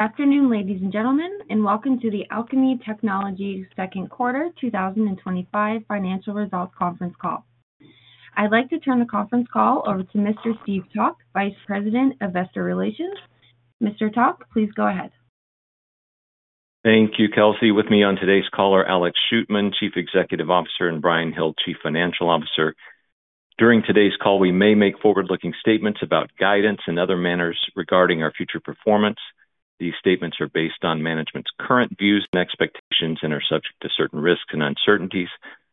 Afternoon, ladies and gentlemen, and welcome to the Alkami Technology second quarter 2025 financial results conference Call. I'd like to turn the conference call over to Mr. Steve Calk, Vice President of Investor Relations. Mr. Calk, please go ahead. Thank you, Kelsey. With me on today's call are Alex Shootman, Chief Executive Officer, and Bryan Hill, Chief Financial Officer. During today's call, we may make forward-looking statements about guidance and other matters regarding our future performance. These statements are based on management's current views and expectations and are subject to certain risks and uncertainties.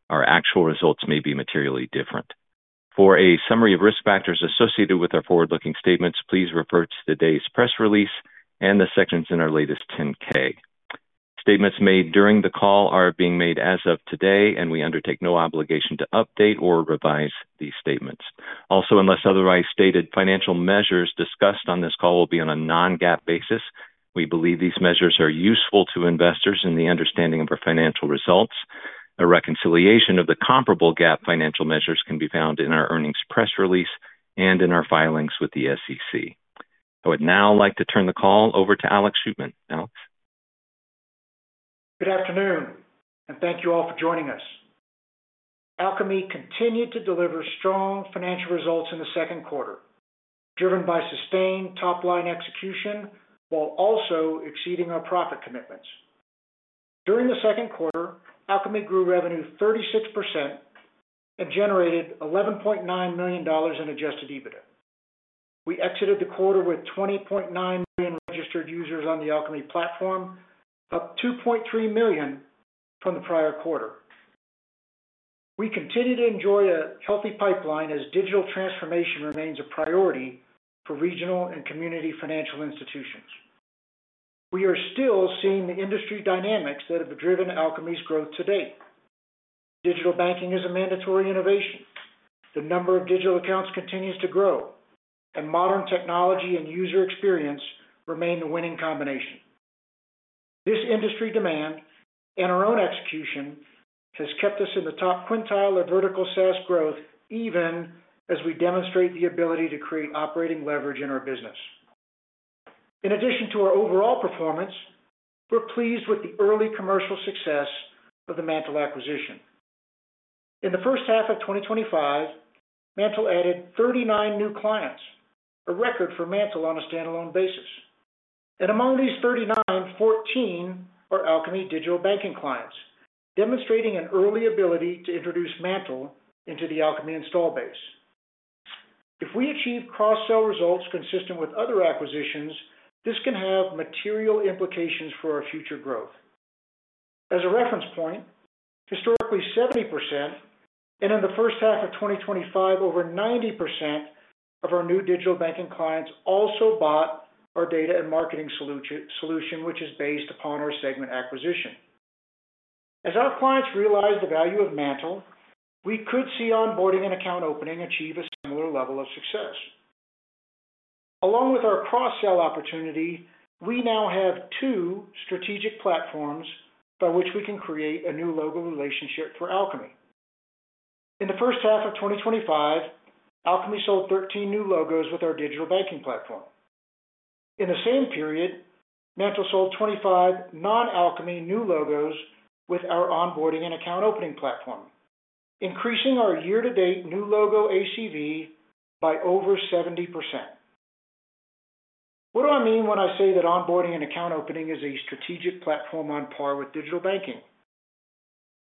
Our actual results may be materially different. For a summary of risk factors associated with our forward-looking statements, please refer to today's press release and the sections in our latest 10-K. Statements made during the call are being made as of today, and we undertake no obligation to update or revise these statements. Also, unless otherwise stated, financial measures discussed on this call will be on a non-GAAP basis. We believe these measures are useful to investors in the understanding of our financial results. A reconciliation of the comparable GAAP financial measures can be found in our earnings press release and in our filings with the SEC. I would now like to turn the call over to Alex Shootman. Alex? Good afternoon, and thank you all for joining us. Alkami continued to deliver strong financial results in the second quarter, driven by sustained top-line execution while also exceeding our profit commitments. During the second quarter, Alkami grew revenue 36% and generated $11.9 million in adjusted EBITDA. We exited the quarter with 20.9 million registered users on the Alkami platform, up 2.3 million from the prior quarter. We continue to enjoy a healthy pipeline as digital transformation remains a priority for regional and community financial institutions. We are still seeing the industry dynamics that have driven Alkami's growth to date. Digital banking is a mandatory innovation. The number of digital accounts continues to grow, and modern technology and user experience remain the winning combination. This industry demand and our own execution have kept us in the top quintile of vertical SaaS growth, even as we demonstrate the ability to create operating leverage in our business. In addition to our overall performance, we're pleased with the early commercial success of the Mantle acquisition. In the first half of 2025, Mantle added 39 new clients, a record for Mantle on a standalone basis. Among these 39, 14 are Alkami digital banking clients, demonstrating an early ability to introduce Mantle into the Alkami install base. If we achieve cross-sell results consistent with other acquisitions, this can have material implications for our future growth. As a reference point, historically 70%, and in the first half of 2025, over 90% of our new digital banking clients also bought our data and marketing product, which is based upon our segment acquisition. As our clients realize the value of Mantle, we could see onboarding and account opening achieve a similar level of success. Along with our cross-sell opportunity, we now have two strategic platforms by which we can create a new logo relationship for Alkami. In the first half of 2025, Alkami sold 13 new logos with our digital banking platform. In the same period, Mantle sold 25 non-Alkami new logos with our onboarding and account opening platform, increasing our year-to-date new logo ACV by over 70%. What do I mean when I say that onboarding and account opening is a strategic platform on par with digital banking?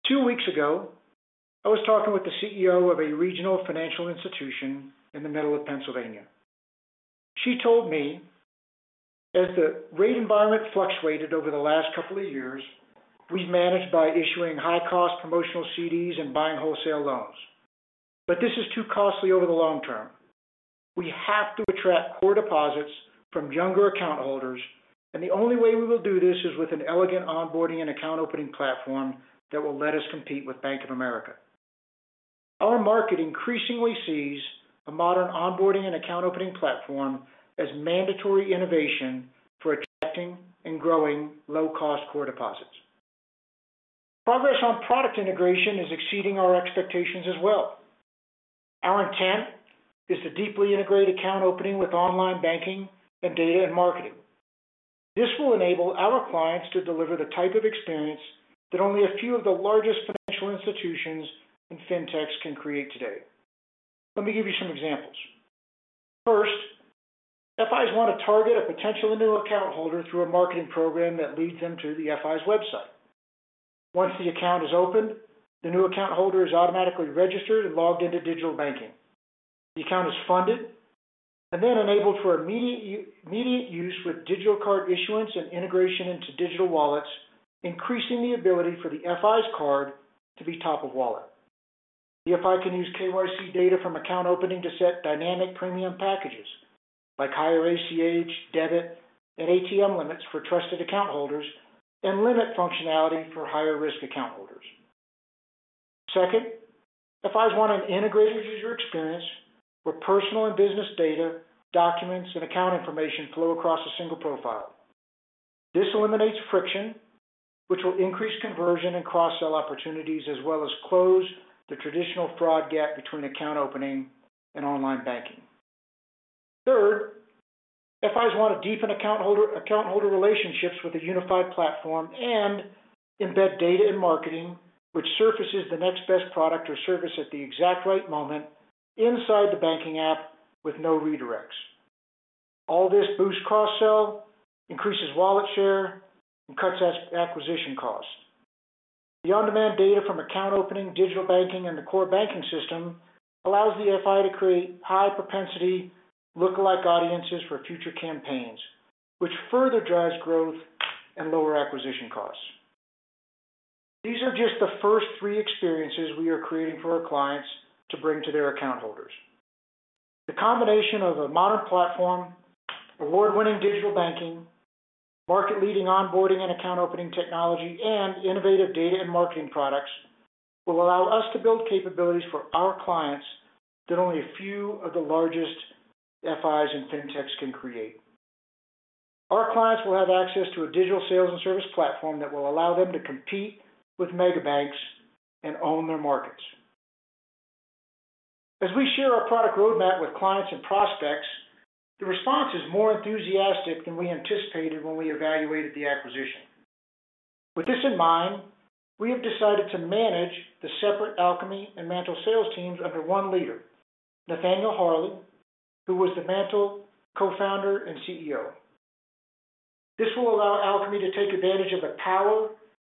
Two weeks ago, I was talking with the CEO of a regional financial institution in the middle of Pennsylvania. She told me, as the rate environment fluctuated over the last couple of years, we've managed by issuing high-cost promotional CDs and buying wholesale loans. This is too costly over the long term. We have to attract core deposits from younger account holders, and the only way we will do this is with an elegant onboarding and account opening platform that will let us compete with Bank of America. Our market increasingly sees a modern onboarding and account opening platform as mandatory innovation for attracting and growing low-cost core deposits. Progress on product integration is exceeding our expectations as well. Our intent is to deeply integrate account opening with online banking and data and marketing. This will enable our clients to deliver the type of experience that only a few of the largest financial institutions and fintechs can create today. Let me give you some examples. First, FIs want to target a potential new account holder through a marketing program that leads them to the FI's website. Once the account is opened, the new account holder is automatically registered and logged into digital banking. The account is funded and then enabled for immediate use with digital card issuance and integration into digital wallets, increasing the ability for the FI's card to be top of wallet. The FI can use KYC data from account opening to set dynamic premium packages like higher ACH, debit, and ATM limits for trusted account holders and limit functionality for higher-risk account holders. Second, FIs want an integrated user experience where personal and business data, documents, and account information flow across a single profile. This eliminates friction, which will increase conversion and cross-sell opportunities, as well as close the traditional fraud gap between account opening and online banking. Third, FIs want to deepen account holder relationships with a unified platform and embed data and marketing, which surfaces the next best product or service at the exact right moment inside the banking app with no redirects. All this boosts cross-sell, increases wallet share, and cuts acquisition costs. The on-demand data from account opening, digital banking, and the core banking system allows the FI to create high-propensity, look-alike audiences for future campaigns, which further drives growth and lower acquisition costs. These are just the first three experiences we are creating for our clients to bring to their account holders. The combination of a modern platform, award-winning digital banking, market-leading onboarding and account opening technology, and innovative data and marketing products will allow us to build capabilities for our clients that only a few of the largest FIs and fintechs can create. Our clients will have access to a digital sales and service platform that will allow them to compete with mega banks and own their markets. As we share our product roadmap with clients and prospects, the response is more enthusiastic than we anticipated when we evaluated the acquisition. With this in mind, we have decided to manage the separate Alkami and Mantle sales teams under one leader, Nathaniel Harley, who was the Mantle co-founder and CEO. This will allow Alkami to take advantage of the power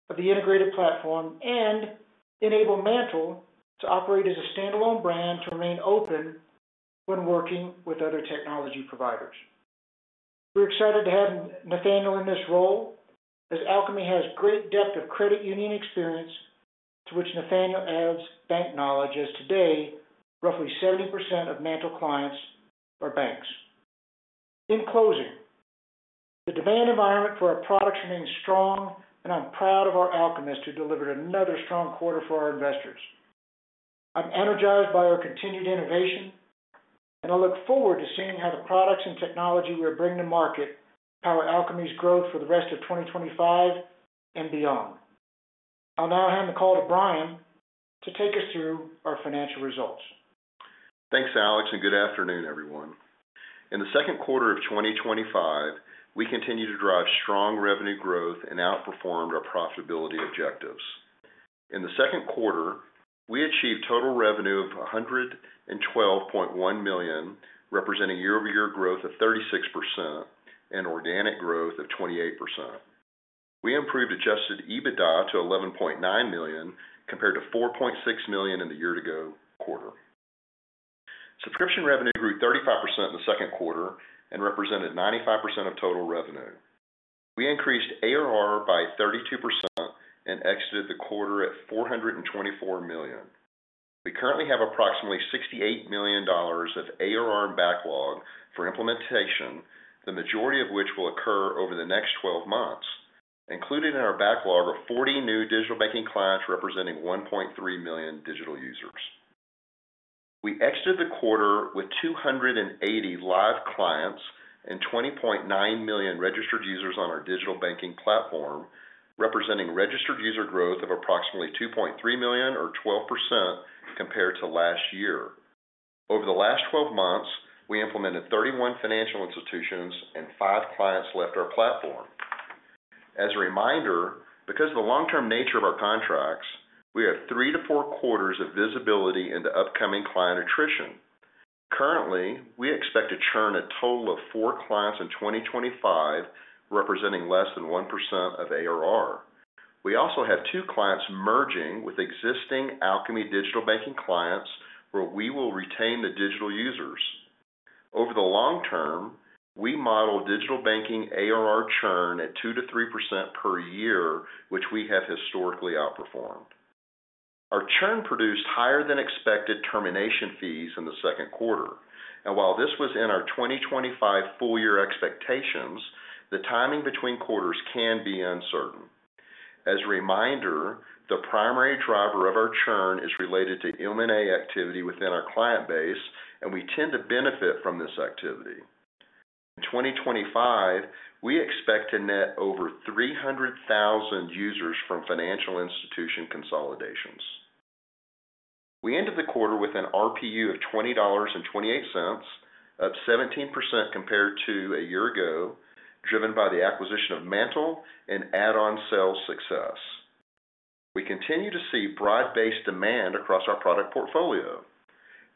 of the integrated platform and enable Mantle to operate as a standalone brand to remain open when working with other technology providers. We're excited to have Nathaniel in this role as Alkami has great depth of credit union experience to which Nathaniel adds bank knowledge, as today, roughly 70% of Mantle clients are banks. In closing, the demand environment for our products remains strong, and I'm proud of our Alchemists who delivered another strong quarter for our investors. I'm energized by our continued innovation, and I look forward to seeing how the products and technology we're bringing to market power Alkami's growth for the rest of 2025 and beyond. I'll now hand the call to Bryan to take us through our financial results. Thanks, Alex, and good afternoon, everyone. In the second quarter of 2025, we continued to drive strong revenue growth and outperformed our profitability objectives. In the second quarter, we achieved total revenue of $112.1 million, representing year-over-year growth of 36% and organic growth of 28%. We improved adjusted EBITDA to $11.9 million compared to $4.6 million in the year-ago quarter. Subscription revenue grew 35% in the second quarter and represented 95% of total revenue. We increased ARR by 32% and exited the quarter at $424 million. We currently have approximately $68 million of ARR in backlog for implementation, the majority of which will occur over the next 12 months, including in our backlog of 40 new digital banking clients representing 1.3 million digital users. We exited the quarter with 280 live clients and 20.9 million registered users on our digital banking platform, representing registered user growth of approximately 2.3 million or 12% compared to last year. Over the last 12 months, we implemented 31 financial institutions and five clients left our platform. As a reminder, because of the long-term nature of our contracts, we have three to four quarters of visibility into upcoming client attrition. Currently, we expect to churn a total of four clients in 2025, representing less than 1% of ARR. We also have two clients merging with existing Alkami digital banking clients where we will retain the digital users. Over the long term, we model digital banking ARR churn at 2%-3% per year, which we have historically outperformed. Our churn produced higher than expected termination fees in the second quarter, and while this was in our 2025 full-year expectations, the timing between quarters can be uncertain. As a reminder, the primary driver of our churn is related to M&A activity within our client base, and we tend to benefit from this activity. In 2025, we expect to net over 300,000 users from financial institution consolidations. We ended the quarter with an RPU of $20.28, up 17% compared to a year ago, driven by the acquisition of Mantle and add-on sales success. We continue to see broad-based demand across our product portfolio.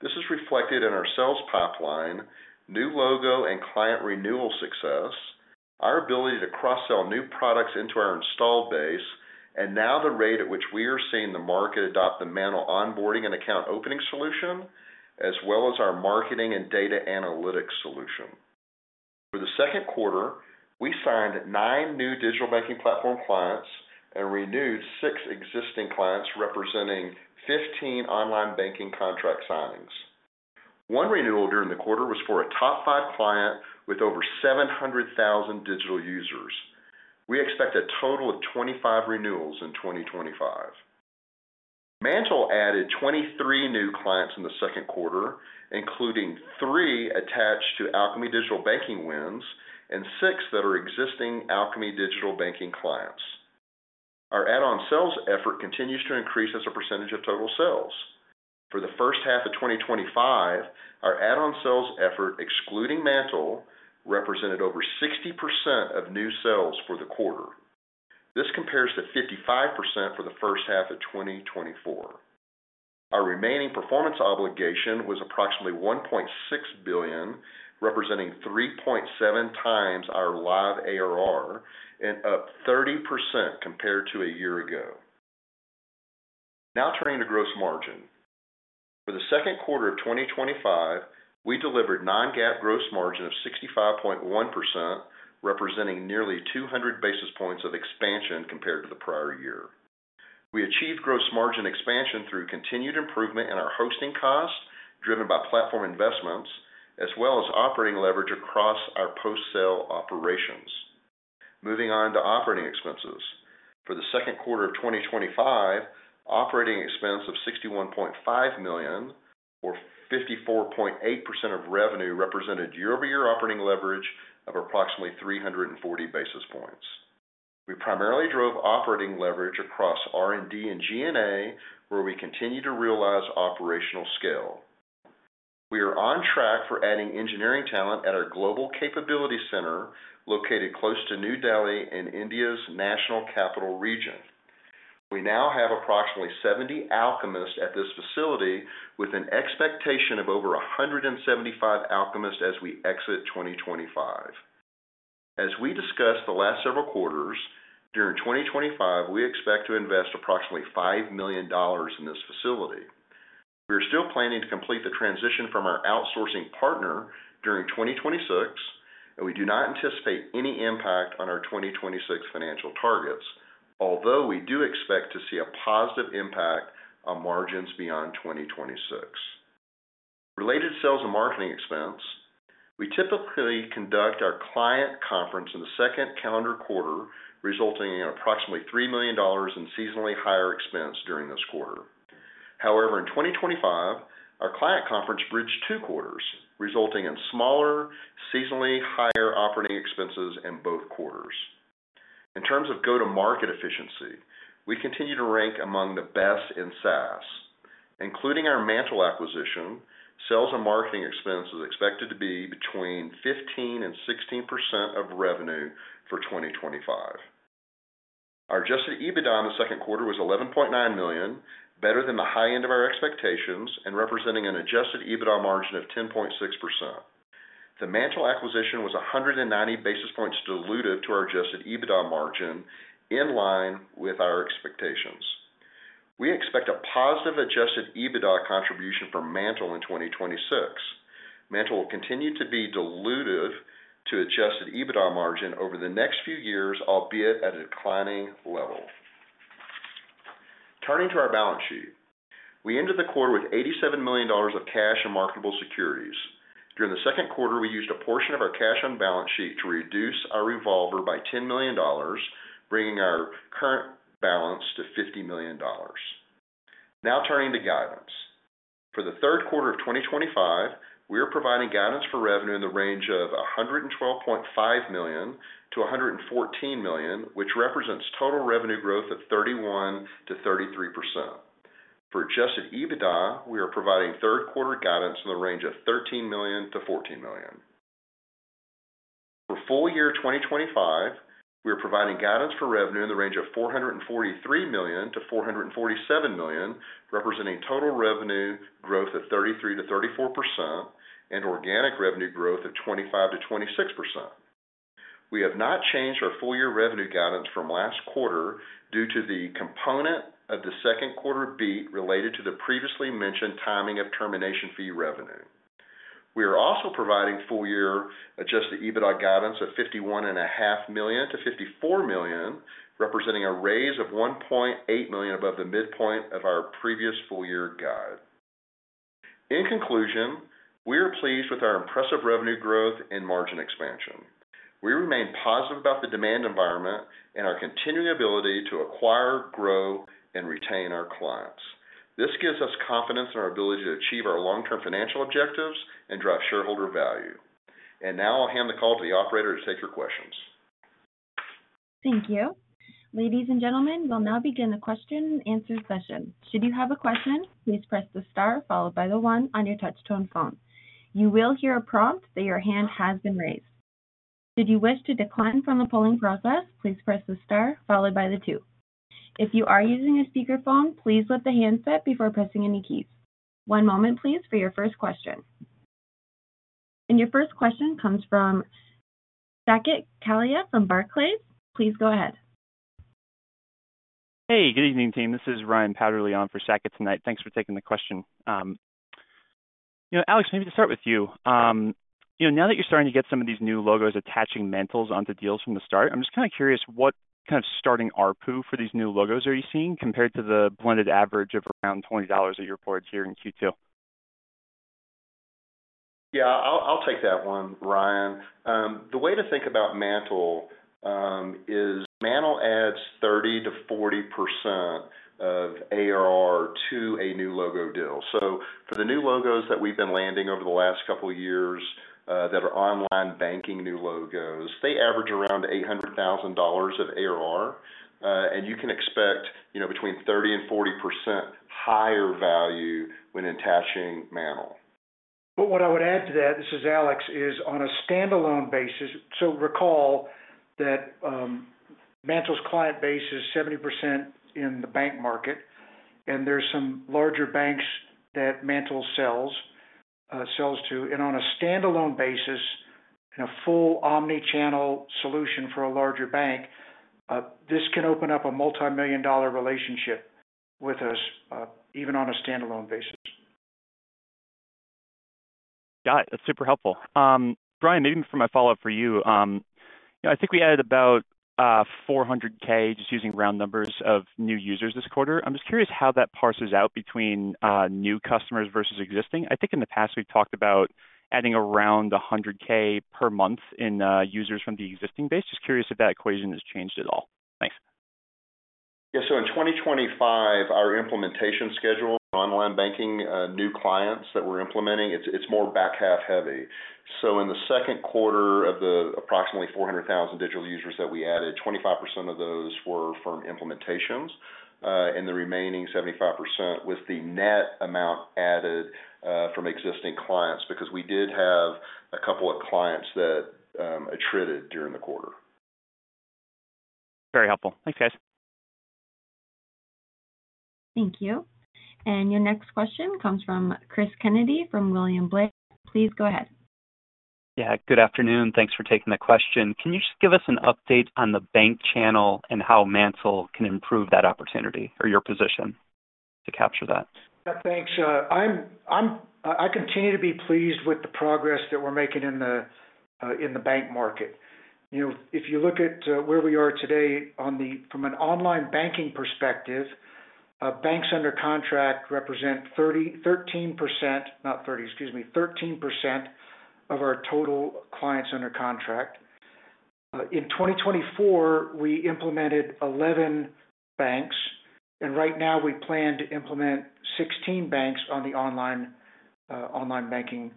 This is reflected in our sales pipeline, new logo and client renewal success, our ability to cross-sell new products into our install base, and now the rate at which we are seeing the market adopt the Mantle onboarding and account opening solution, as well as our data and marketing product. For the second quarter, we signed nine new digital banking platform clients and renewed six existing clients, representing 15 online banking contract signings. One renewal during the quarter was for a top five client with over 700,000 digital users. We expect a total of 25 renewals in 2025. Mantle added 23 new clients in the second quarter, including three attached to Alkami digital banking wins and six that are existing Alkami digital banking clients. Our add-on sales effort continues to increase as a percentage of total sales. For the first half of 2025, our add-on sales effort, excluding Mantle, represented over 60% of new sales for the quarter. This compares to 55% for the first half of 2024. Our remaining performance obligation was approximately $1.6 billion, representing 3.7x our live ARR and up 30% compared to a year ago. Now turning to gross margin, for the second quarter of 2025, we delivered non-GAAP gross margin of 65.1%, representing nearly 200 basis points of expansion compared to the prior year. We achieved gross margin expansion through continued improvement in our hosting cost, driven by platform investments, as well as operating leverage across our post-sale operations. Moving on to operating expenses, for the second quarter of 2025, operating expense of $61.5 million or 54.8% of revenue represented year-over-year operating leverage of approximately 340 basis points. We primarily drove operating leverage across R&D and G&A, where we continue to realize operational scale. We are on track for adding engineering talent at our global capability center located close to New Delhi in India's National Capital Region. We now have approximately 70 Alchemists at this facility, with an expectation of over 175 Alchemists as we exit 2025. As we discussed the last several quarters, during 2025, we expect to invest approximately $5 million in this facility. We are still planning to complete the transition from our outsourcing partner during 2026, and we do not anticipate any impact on our 2026 financial targets, although we do expect to see a positive impact on margins beyond 2026. Related sales and marketing expense, we typically conduct our client conference in the second calendar quarter, resulting in approximately $3 million in seasonally higher expense during this quarter. However, in 2025, our client conference bridged two quarters, resulting in smaller, seasonally higher operating expenses in both quarters. In terms of go-to-market efficiency, we continue to rank among the best in SaaS. Including our Mantle acquisition, sales and marketing expense is expected to be between 15% and 16% of revenue for 2025. Our adjusted EBITDA in the second quarter was $11.9 million, better than the high end of our expectations and representing an adjusted EBITDA margin of 10.6%. The Mantle acquisition was 190 basis points dilutive to our adjusted EBITDA margin, in line with our expectations. We expect a positive adjusted EBITDA contribution from Mantle in 2026. Mantle will continue to be dilutive to adjusted EBITDA margin over the next few years, albeit at a declining level. Turning to our balance sheet, we ended the quarter with $87 million of cash and marketable securities. During the second quarter, we used a portion of our cash on balance sheet to reduce our revolver by $10 million, bringing our current balance to $50 million. Now turning to guidance, for the third quarter of 2025, we are providing guidance for revenue in the range of $112.5 million-$114 million, which represents total revenue growth of 31% -33%. For adjusted EBITDA, we are providing third-quarter guidance in the range of $13 million-$14 million. For full-year 2025, we are providing guidance for revenue in the range of $443 million-$447 million, representing total revenue growth of 33%-34% and organic revenue growth of 25%-26%. We have not changed our full-year revenue guidance from last quarter due to the component of the second quarter beat related to the previously mentioned timing of termination fee revenue. We are also providing full-year adjusted EBITDA guidance of $51.5 million-$54 million, representing a raise of $1.8 million above the midpoint of our previous full-year guide. In conclusion, we are pleased with our impressive revenue growth and margin expansion. We remain positive about the demand environment and our continuing ability to acquire, grow, and retain our clients. This gives us confidence in our ability to achieve our long-term financial objectives and drive shareholder value. I'll hand the call to the operator to take your questions. Thank you. Ladies and gentlemen, we'll now begin the question and answer session. Should you have a question, please press the star followed by the one on your touch-tone phone. You will hear a prompt that your hand has been raised. Should you wish to decline from the polling process, please press the star followed by the two. If you are using a speaker phone, please lift the handset before pressing any keys. One moment, please, for your first question. Your first question comes from Sacket Kalia from Barclays. Please go ahead. Hey, good evening, team. This is Ryan Powderly on for Sackett tonight. Thanks for taking the question. Alex, maybe to start with you, now that you're starting to get some of these new logos attaching Mantle onto deals from the start, I'm just kind of curious what kind of starting RPU for these new logos are you seeing compared to the blended average of around $20 a year reported here in Q2? I'll take that one, Ryan. The way to think about Mantle is Mantle adds 30% -40% of ARR to a new logo deal. For the new logos that we've been landing over the last couple of years that are online banking new logos, they average around $800,000 of ARR, and you can expect between 30% and 40% higher value when attaching Mantle. What I would add to that, this is Alex, is on a standalone basis. Recall that Mantle's client base is 70% in the bank market, and there's some larger banks that Mantle sells to. On a standalone basis, in a full omnichannel solution for a larger bank, this can open up a multimillion-dollar relationship with us, even on a standalone basis. Got it. That's super helpful. Bryan, maybe for my follow-up for you, I think we added about 400,000, just using round numbers, of new users this quarter. I'm just curious how that parses out between new customers versus existing. I think in the past we've talked about adding around 100,000 per month in users from the existing base. Just curious if that equation has changed at all. Thanks. In 2025, our implementation schedule, online banking, new clients that we're implementing, it's more back-half heavy. In the second quarter of the approximately 400,000 digital users that we added, 25% of those were from implementations, and the remaining 75% was the net amount added from existing clients because we did have a couple of clients that attritted during the quarter. Very helpful. Thanks, guys. Thank you. Your next question comes from Chris Kennedy from William Blair. Please go ahead. Good afternoon. Thanks for taking the question. Can you just give us an update on the bank channel and how Mantle can improve that opportunity or your position to capture that? Thanks. I continue to be pleased with the progress that we're making in the bank market. If you look at where we are today from an online banking perspective, banks under contract represent 13% of our total clients under contract. In 2024, we implemented 11 banks, and right now we plan to implement 16 banks on the online banking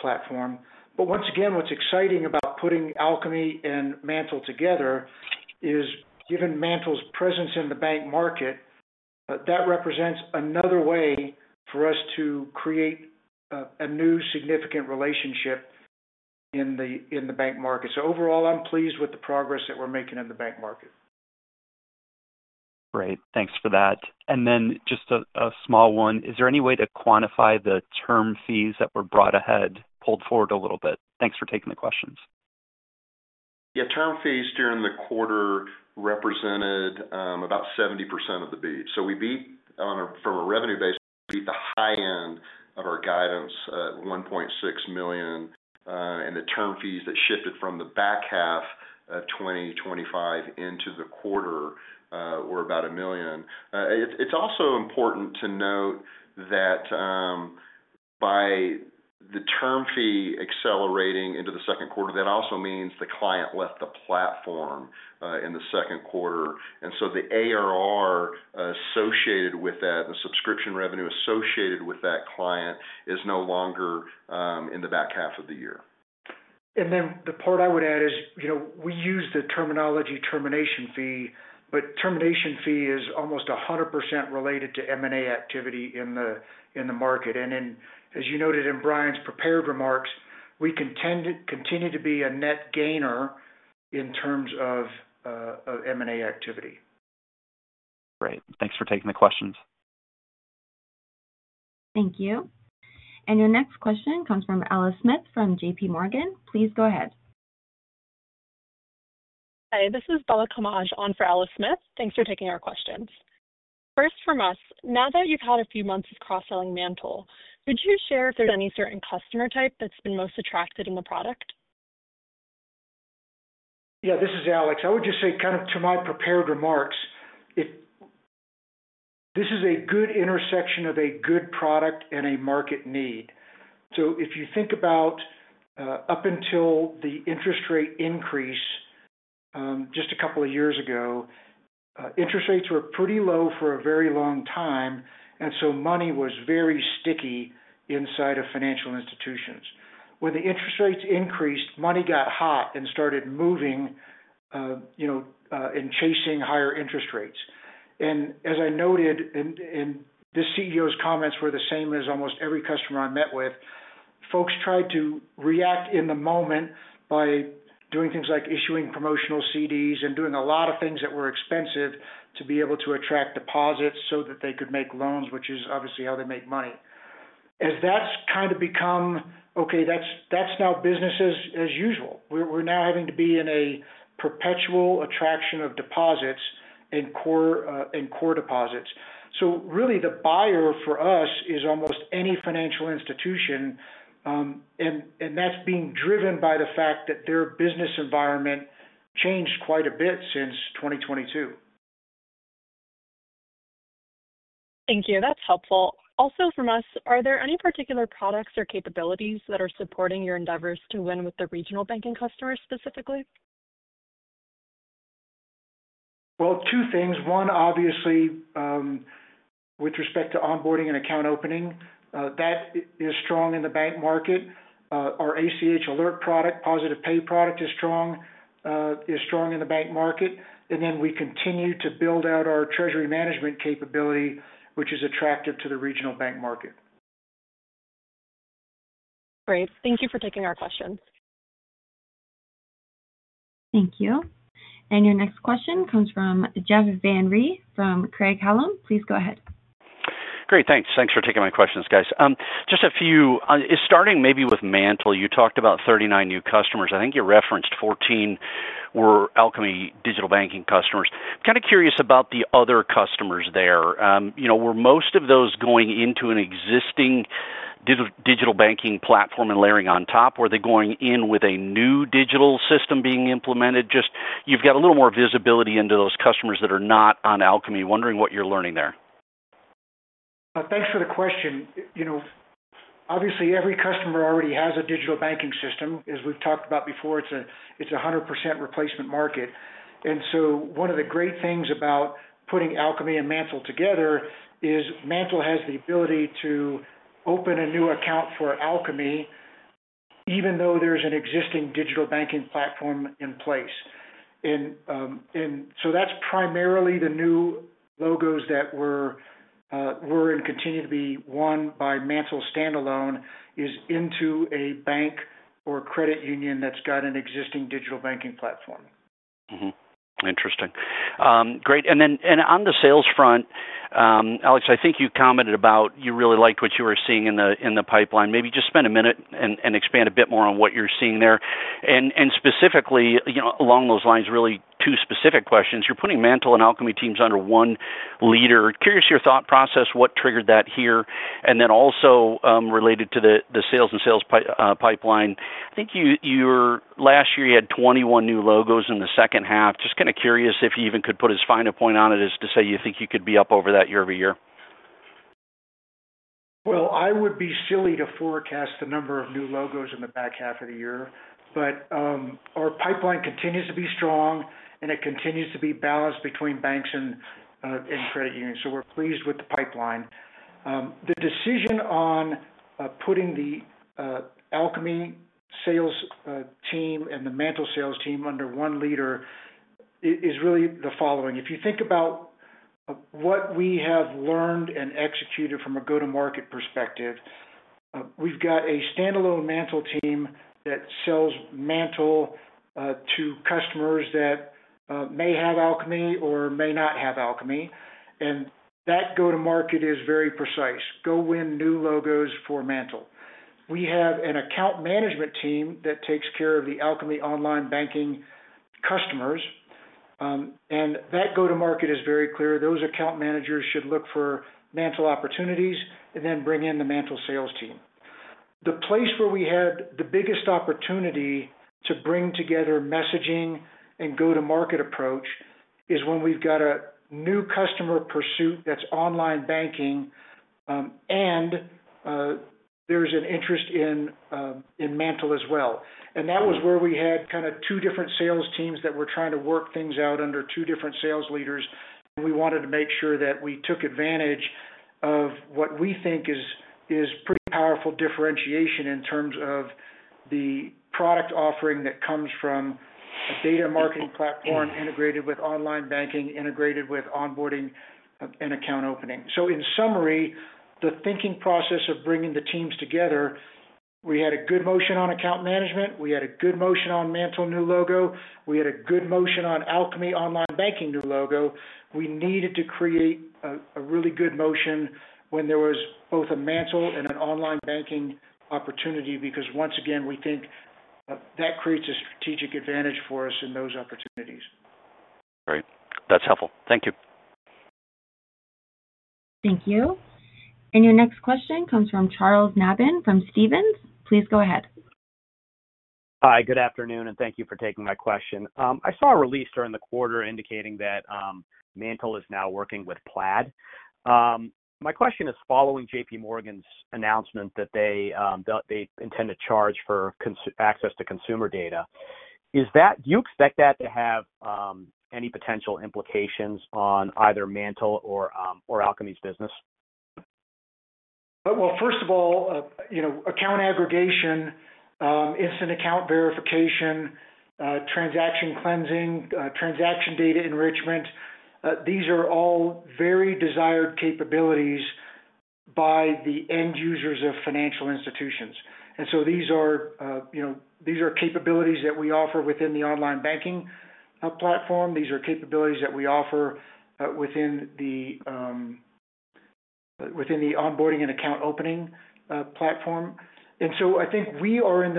platform. What's exciting about putting Alkami and Mantle together is, given Mantle's presence in the bank market, that represents another way for us to create a new significant relationship in the bank market. Overall, I'm pleased with the progress that we're making in the bank market. Great, thanks for that. Is there any way to quantify the term fees that were brought ahead, pulled forward a little bit? Thanks for taking the questions. Yeah, term fees during the quarter represented about 70% of the beat. We beat, from a revenue basis, we beat the high end of our guidance at $1.6 million, and the term fees that shifted from the back half of 2025 into the quarter were about $1 million. It's also important to note that, by the term fee accelerating into the second quarter, that also means the client left the platform in the second quarter. The ARR associated with that, the subscription revenue associated with that client, is no longer in the back half of the year. The part I would add is, you know, we use the terminology termination fee, but termination fee is almost 100% related to M&A activity in the market. As you noted in Bryan's prepared remarks, we can tend to continue to be a net gainer in terms of M&A activity. Great. Thanks for taking the questions. Thank you. Your next question comes from Alice Smith from JPMorgan. Please go ahead. Hi, this is Bella Camaj on for Alice Smith. Thanks for taking our questions. First from us, now that you've had a few months of cross-selling Mantle, could you share if there's any certain customer type that's been most attracted in the product? Yeah, this is Alex. I would just say, kind of to my prepared remarks, this is a good intersection of a good product and a market need. If you think about, up until the interest rate increase just a couple of years ago, interest rates were pretty low for a very long time, and money was very sticky inside of financial institutions. When the interest rates increased, money got hot and started moving, you know, chasing higher interest rates. As I noted, and this CEO's comments were the same as almost every customer I met with, folks tried to react in the moment by doing things like issuing promotional CDs and doing a lot of things that were expensive to be able to attract deposits so that they could make loans, which is obviously how they make money. As that's kind of become, okay, that's now business as usual. We're now having to be in a perpetual attraction of deposits and core deposits. Really, the buyer for us is almost any financial institution, and that's being driven by the fact that their business environment changed quite a bit since 2022. Thank you. That's helpful. Also from us, are there any particular products or capabilities that are supporting your endeavors to win with the regional banking customers specifically? Two things. One, obviously, with respect to onboarding and account opening, that is strong in the bank market. Our ACH Alert product, Positive Pay product is strong in the bank market. We continue to build out our treasury management capability, which is attractive to the regional bank market. Great. Thank you for taking our questions. Thank you. Your next question comes from Jeff Van Rhee from Craig Hallum. Please go ahead. Great, thanks. Thanks for taking my questions, guys. Just a few, starting maybe with Mantle. You talked about 39 new customers. I think you referenced 14 were Alkami digital banking customers. I'm kind of curious about the other customers there. Were most of those going into an existing digital banking platform and layering on top? Were they going in with a new digital system being implemented? You've got a little more visibility into those customers that are not on Alkami. Wondering what you're learning there. Thanks for the question. You know, obviously, every customer already has a digital banking system. As we've talked about before, it's a 100% replacement market. One of the great things about putting Alkami and Mantle together is Mantle has the ability to open a new account for Alkami, even though there's an existing digital banking platform in place. That's primarily the new logos that were, were and continue to be won by Mantle standalone, into a bank or credit union that's got an existing digital banking platform. Interesting. Great. On the sales front, Alex, I think you commented about you really liked what you were seeing in the pipeline. Maybe just spend a minute and expand a bit more on what you're seeing there. Specifically, along those lines, really two specific questions. You're putting Mantle and Alkami teams under one leader. Curious your thought process, what triggered that here? Also, related to the sales and sales pipeline, I think last year you had 21 new logos in the second half. Just kind of curious if you even could put as fine a point on it as to say you think you could be up over that year-over-year. I would be silly to forecast the number of new logos in the back half of the year. Our pipeline continues to be strong, and it continues to be balanced between banks and credit unions. We're pleased with the pipeline. The decision on putting the Alkami sales team and the Mantle sales team under one leader is really the following. If you think about what we have learned and executed from a go-to-market perspective, we've got a standalone Mantle team that sells Mantle to customers that may have Alkami or may not have Alkami, and that go-to-market is very precise. Go win new logos for Mantle. We have an account management team that takes care of the Alkami digital banking platform customers, and that go-to-market is very clear. Those account managers should look for Mantle opportunities and then bring in the Mantle sales team. The place where we had the biggest opportunity to bring together messaging and go-to-market approach is when we've got a new customer pursuit that's digital banking, and there's an interest in Mantle as well. That was where we had kind of two different sales teams that were trying to work things out under two different sales leaders. We wanted to make sure that we took advantage of what we think is pretty powerful differentiation in terms of the product offering that comes from a data and marketing product integrated with digital banking, integrated with onboarding and account opening. In summary, the thinking process of bringing the teams together, we had a good motion on account management. We had a good motion on Mantle new logo. We had a good motion on Alkami digital banking new logo. We needed to create a really good motion when there was both a Mantle and a digital banking opportunity because once again, we think that creates a strategic advantage for us in those opportunities. Great. That's helpful. Thank you. Thank you. Your next question comes from Charles Nabhan from Stephens. Please go ahead. Hi, good afternoon, and thank you for taking my question. I saw a release during the quarter indicating that Mantle is now working with Plaid. My question is, following JPMorgan's announcement that they intend to charge for access to consumer data, do you expect that to have any potential implications on either Mantle or Alkami's business? First of all, you know, account aggregation, instant account verification, transaction cleansing, transaction data enrichment, these are all very desired capabilities by the end users of financial institutions. These are capabilities that we offer within the online banking platform. These are capabilities that we offer within the onboarding and account opening platform. I think we are in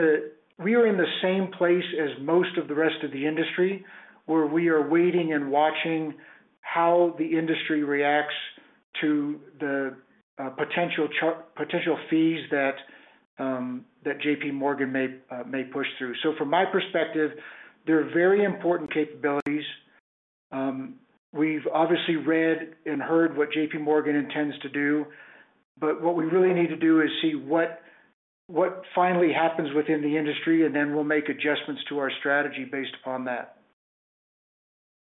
the same place as most of the rest of the industry, where we are waiting and watching how the industry reacts to the potential fees that JPMorgan may push through. From my perspective, they're very important capabilities. We've obviously read and heard what JPMorgan intends to do, but what we really need to do is see what finally happens within the industry, and then we'll make adjustments to our strategy based upon that.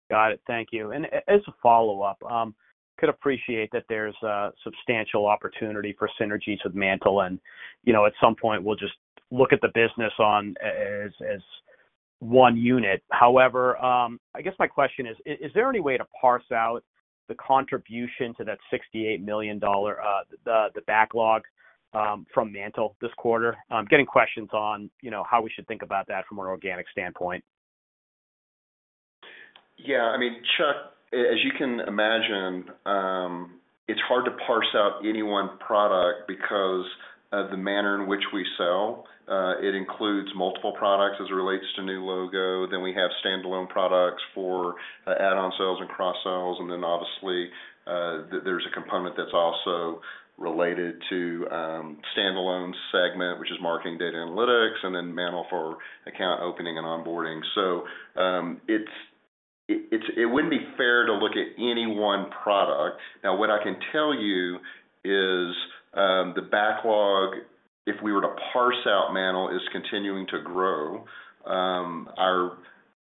Got it. Thank you. As a follow-up, I could appreciate that there's a substantial opportunity for synergies with Mantle, and at some point, we'll just look at the business as one unit. However, I guess my question is, is there any way to parse out the contribution to that $68 million, the backlog, from Mantle this quarter? I'm getting questions on how we should think about that from an organic standpoint. Yeah, I mean, Chuck, as you can imagine, it's hard to parse out any one product because of the manner in which we sell. It includes multiple products as it relates to new logo. Then we have standalone products for add-on sales and cross-sell. Obviously, there's a component that's also related to standalone segment, which is marketing data analytics, and then Mantle for account opening and onboarding. It wouldn't be fair to look at any one product. What I can tell you is, the backlog, if we were to parse out Mantle, is continuing to grow. Our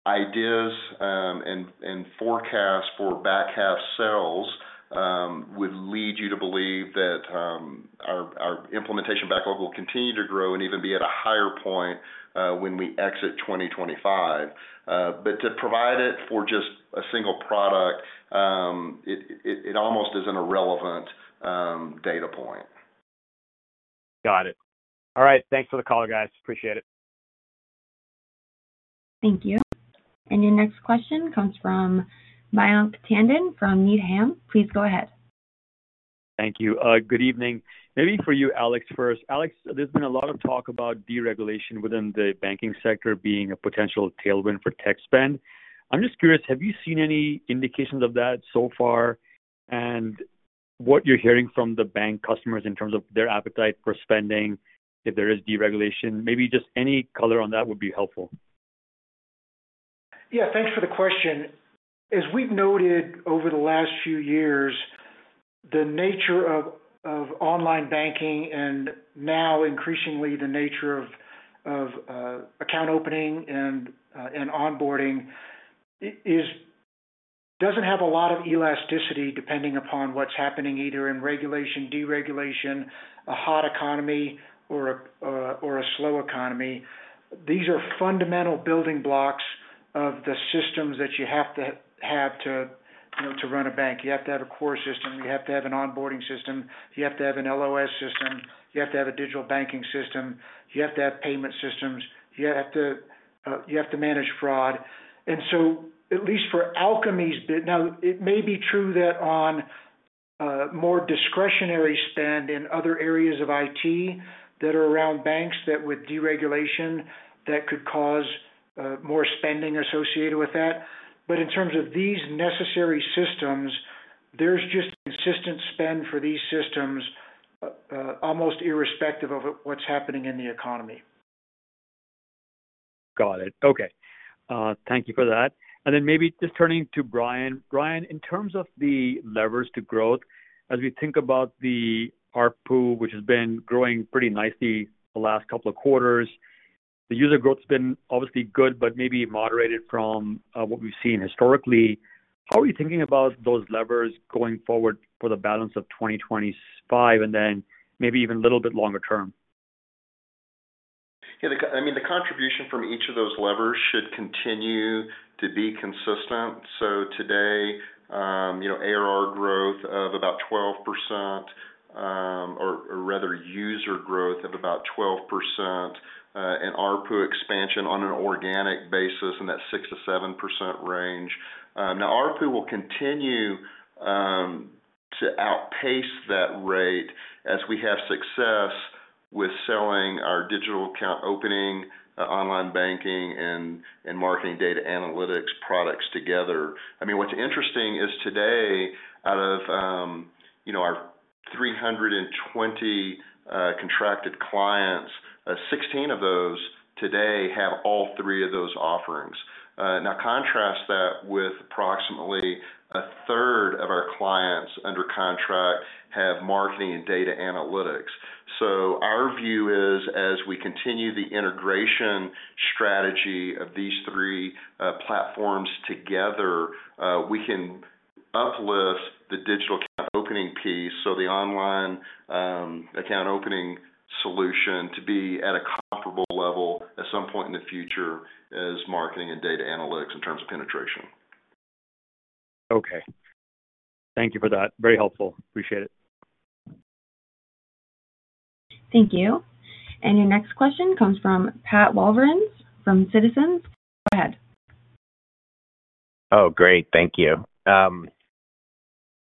ideas and forecasts for back-half sales would lead you to believe that our implementation backlog will continue to grow and even be at a higher point when we exit 2025. To provide it for just a single product, it almost is an irrelevant data point. Got it. All right. Thanks for the call, guys. Appreciate it. Thank you. Your next question comes from Mayank Tandon from Needham. Please go ahead. Thank you. Good evening. Maybe for you, Alex, first. Alex, there's been a lot of talk about deregulation within the banking sector being a potential tailwind for tech spend. I'm just curious, have you seen any indications of that so far? What you're hearing from the bank customers in terms of their appetite for spending, if there is deregulation, maybe just any color on that would be helpful. Yeah, thanks for the question. As we've noted over the last few years, the nature of online banking and now increasingly the nature of account opening and onboarding doesn't have a lot of elasticity depending upon what's happening either in regulation, deregulation, a hot economy, or a slow economy. These are fundamental building blocks of the systems that you have to have to, you know, to run a bank. You have to have a core system. You have to have an onboarding system. You have to have an LOS system. You have to have a digital banking system. You have to have payment systems. You have to manage fraud. At least for Alkami's bit, now it may be true that on more discretionary spend in other areas of IT that are around banks that with deregulation that could cause more spending associated with that. In terms of these necessary systems, there's just consistent spend for these systems, almost irrespective of what's happening in the economy. Got it. Okay, thank you for that. Maybe just turning to Bryan. Bryan, in terms of the levers to growth, as we think about the RPU, which has been growing pretty nicely the last couple of quarters, the user growth has been obviously good, but maybe moderated from what we've seen historically. How are you thinking about those levers going forward for the balance of 2025 and then maybe even a little bit longer term? Yeah, I mean, the contribution from each of those levers should continue to be consistent. Today, you know, ARR growth of about 12%, or rather user growth of about 12%, and RPU expansion on an organic basis in that 6%-7% range. Now RPU will continue to outpace that rate as we have success with selling our digital account opening, online banking, and marketing data analytics products together. I mean, what's interesting is today, out of, you know, our 320 contracted clients, 16 of those today have all three of those offerings. Now contrast that with approximately 1/3 of our clients under contract have marketing and data analytics. Our view is, as we continue the integration strategy of these three platforms together, we can uplift the digital account opening piece, so the online account opening solution to be at a comparable level at some point in the future as marketing and data analytics in terms of penetration. Okay, thank you for that. Very helpful. Appreciate it. Thank you. Your next question comes from Patrick Walravens from Citizens Bank. Go ahead. Oh, great. Thank you.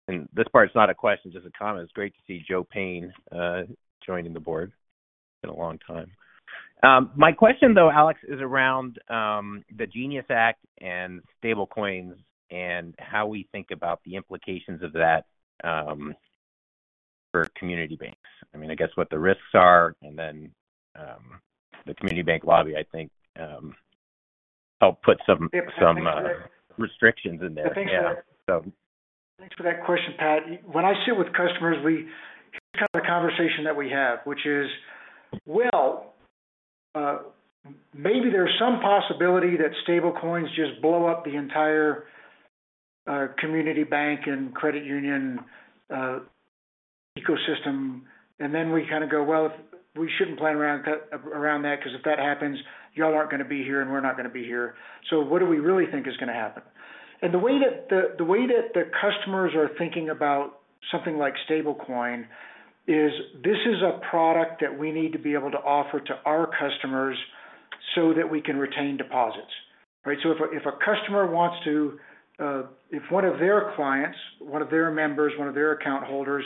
This part's not a question, just a comment. It's great to see Joe Payne joining the board. It's been a long time. My question, though, Alex, is around the Genius Act and stablecoins and how we think about the implications of that for community banks. I mean, I guess what the risks are, and then the community bank lobby, I think, helped put some restrictions in there. Yeah, thanks for that question, Pat. When I sit with customers, here's kind of the conversation that we have, which is, maybe there's some possibility that stablecoins just blow up the entire community bank and credit union ecosystem. We kind of go, if we shouldn't plan around that because if that happens, y'all aren't going to be here and we're not going to be here. What do we really think is going to happen? The way that the customers are thinking about something like stablecoin is this is a product that we need to be able to offer to our customers so that we can retain deposits, right? If a customer wants to, if one of their clients, one of their members, one of their account holders,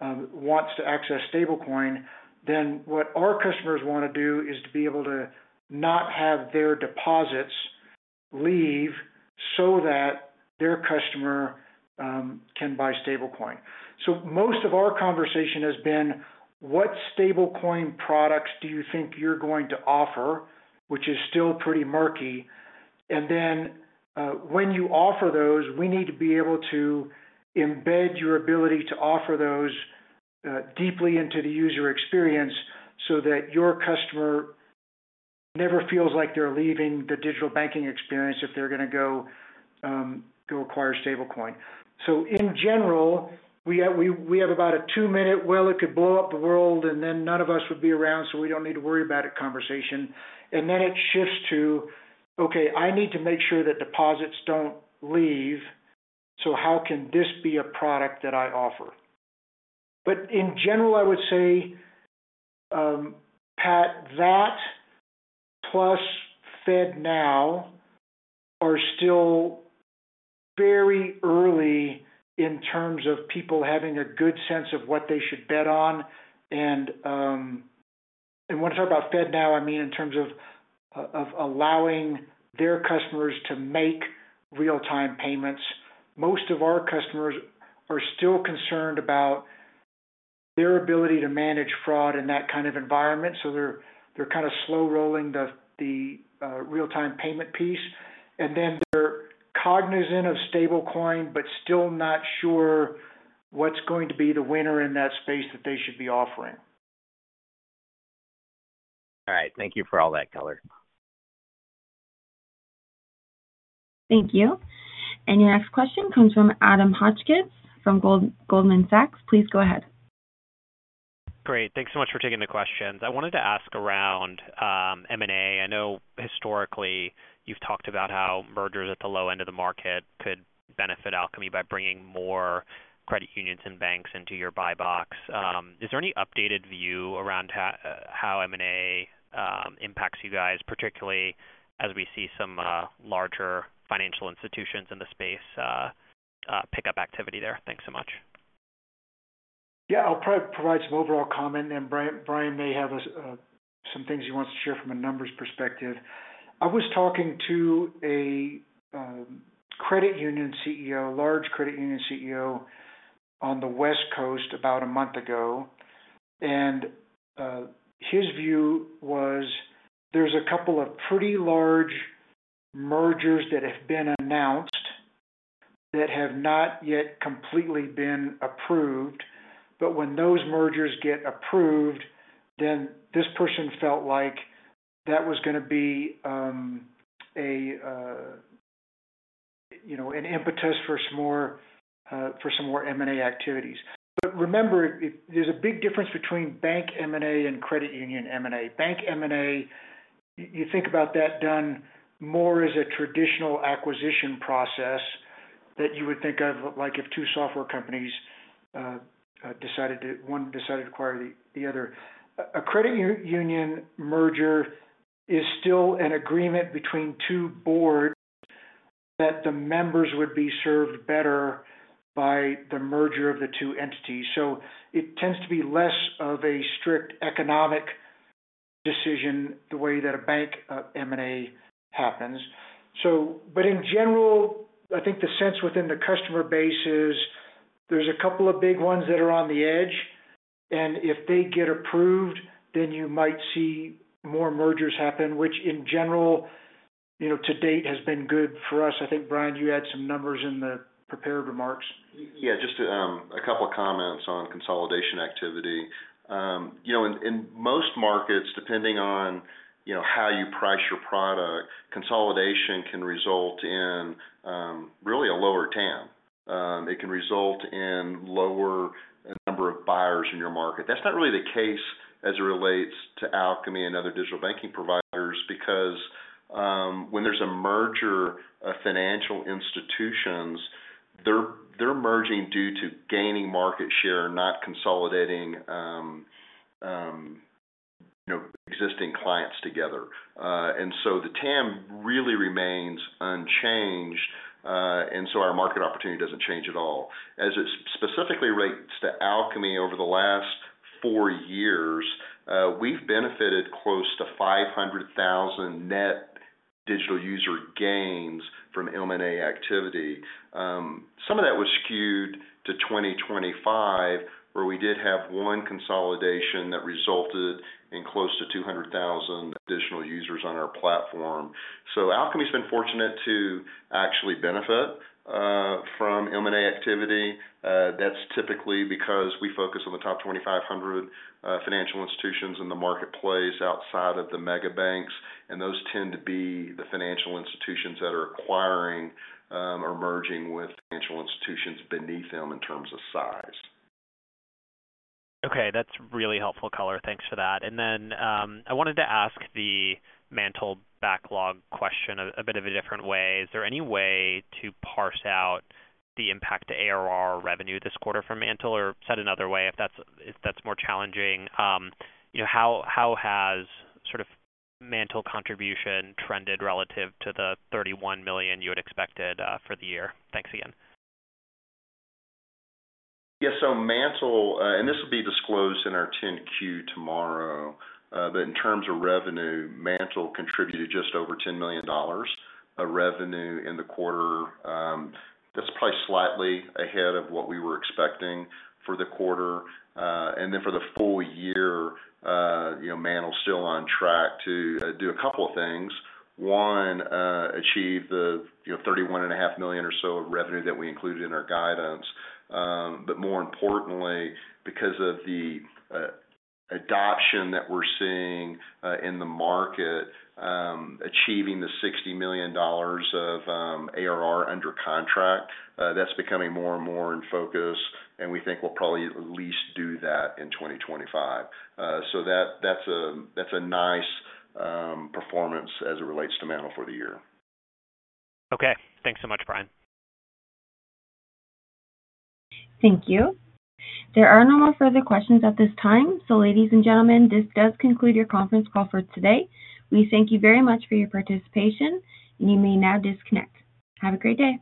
wants to access stablecoin, then what our customers want to do is to be able to not have their deposits leave so that their customer can buy stablecoin. Most of our conversation has been, what stablecoin products do you think you're going to offer, which is still pretty murky? When you offer those, we need to be able to embed your ability to offer those deeply into the user experience so that your customer never feels like they're leaving the digital banking experience if they're going to go acquire stablecoin. In general, we have about a two-minute, it could blow up the world and then none of us would be around, so we don't need to worry about it conversation. It shifts to, okay, I need to make sure that deposits don't leave, so how can this be a product that I offer? In general, I would say, Pat, that plus FedNow are still very early in terms of people having a good sense of what they should bet on. When I talk about FedNow, I mean in terms of allowing their customers to make real-time payments. Most of our customers are still concerned about their ability to manage fraud in that kind of environment. They're kind of slow rolling the real-time payment piece. They're cognizant of stablecoin, but still not sure what's going to be the winner in that space that they should be offering. All right, thank you for all that color. Thank you. Your next question comes from Adam Hotchkiss from Goldman Sachs. Please go ahead. Great. Thanks so much for taking the questions. I wanted to ask around M&A. I know historically, you've talked about how mergers at the low end of the market could benefit Alkami by bringing more credit unions and banks into your buy box. Is there any updated view around how M&A impacts you guys, particularly as we see some larger financial institutions in the space pick up activity there? Thanks so much. Yeah, I'll probably provide some overall comment, and Bryan may have some things he wants to share from a numbers perspective. I was talking to a credit union CEO, a large credit union CEO on the West Coast about a month ago. His view was there's a couple of pretty large mergers that have been announced that have not yet completely been approved. When those mergers get approved, this person felt like that was going to be an impetus for some more M&A activity. Remember, there's a big difference between bank M&A and credit union M&A. Bank M&A, you think about that done more as a traditional acquisition process that you would think of like if two software companies, decided to, one decided to acquire the other. A credit union merger is still an agreement between two boards that the members would be served better by the merger of the two entities. It tends to be less of a strict economic decision the way that a bank M&A happens. In general, I think the sense within the customer base is there's a couple of big ones that are on the edge. If they get approved, you might see more mergers happen, which in general, to date has been good for us. I think, Bryan, you had some numbers in the prepared remarks. Yeah, just a couple of comments on consolidation activity. You know, in most markets, depending on how you price your product, consolidation can result in really a lower TAM. It can result in a lower number of buyers in your market. That's not really the case as it relates to Alkami and other digital banking providers because when there's a merger of financial institutions, they're merging due to gaining market share, not consolidating existing clients together. The TAM really remains unchanged, and our market opportunity doesn't change at all. As it specifically relates to Alkami, over the last four years, we've benefited close to 500,000 net digital user gains from M&A activity. Some of that was skewed to 2023, where we did have one consolidation that resulted in close to 200,000 additional users on our platform. Alkami's been fortunate to actually benefit from M&A activity. That's typically because we focus on the top 2,500 financial institutions in the marketplace outside of the mega banks, and those tend to be the financial institutions that are acquiring or merging with financial institutions beneath them in terms of size. Okay, that's really helpful color. Thanks for that. I wanted to ask the Mantle backlog question a bit of a different way. Is there any way to parse out the impact to ARR revenue this quarter from Mantle, or set another way, if that's more challenging, how has sort of Mantle contribution trended relative to the $31 million you had expected for the year? Thanks again. Yeah, so Mantle, and this will be disclosed in our 10-Q tomorrow. In terms of revenue, Mantle contributed just over $10 million of revenue in the quarter. That's probably slightly ahead of what we were expecting for the quarter. For the full year, you know, Mantle's still on track to do a couple of things. One, achieve the, you know, $31.5 million or so of revenue that we included in our guidance. More importantly, because of the adoption that we're seeing in the market, achieving the $60 million of ARR under contract, that's becoming more and more in focus. We think we'll probably at least do that in 2025. That's a nice performance as it relates to Mantle for the year. Okay, thanks so much, Bryan. Thank you. There are no further questions at this time. Ladies and gentlemen, this does conclude your conference call for today. We thank you very much for your participation, and you may now disconnect. Have a great day.